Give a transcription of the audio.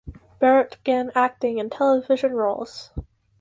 Barratt began acting in television roles.